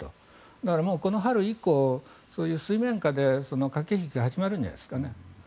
だからこの春以降そういう水面下で駆け引きが始まるんじゃないですかね。